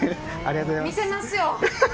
見てますよ！